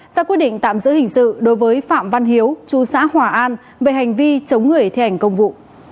ra quyết định tạm giữ hình sự đối với phạm văn hiếu chú xã hòa an về hành vi chống người thi hành công vụ